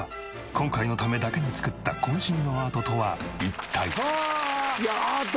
今回のためだけに作った渾身のアートとは一体？